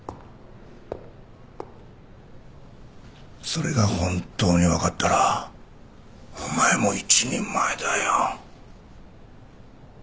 それが本当に分かったらお前も一人前だよ。